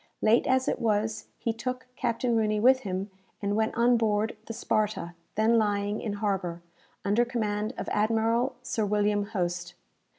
Late as it was, he took Captain Rooney with him, and went on board the "Sparta," then lying in harbour, under command of Admiral Sir William Hoste.